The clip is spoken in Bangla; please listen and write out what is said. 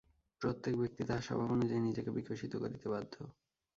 প্রত্যেক ব্যক্তি তাহার স্বভাব অনুযায়ী নিজেকে বিকশিত করিতে বাধ্য।